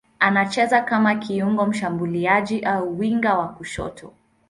Anacheza kama kiungo mshambuliaji au winga wa kushoto.